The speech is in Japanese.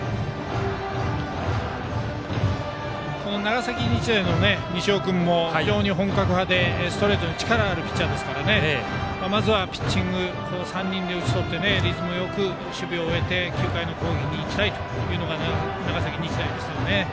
長崎日大の西尾君も非常に本格派でストレートに力があるピッチャーですからまずはピッチング３人で打ち取ってリズムよく守備を終えて９回の攻撃にいきたいというのが長崎日大ですよね。